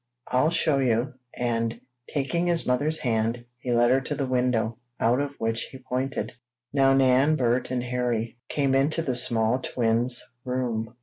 I'll show you," and, taking his mother's hand, he led her to the window, out of which he pointed. Now Nan, Bert and Harry came into the small twins' room.